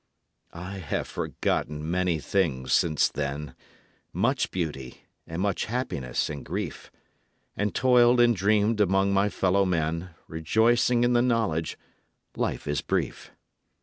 I have forgotten many things since then Much beauty and much happiness and grief; And toiled and dreamed among my fellow men, Rejoicing in the knowledge life is brief.